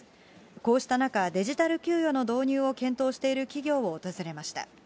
こうした中、デジタル給与の導入を検討している企業を訪れました。